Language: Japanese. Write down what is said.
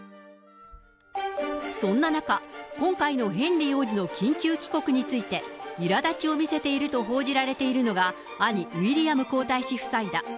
そんな中、今回のヘンリー王子の緊急帰国について、いらだちを見せていると報じられているのが兄、ウィリアム皇太子夫妻だ。